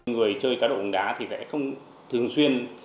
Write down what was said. người chơi cá độ bóng đá thì sẽ không thường xuyên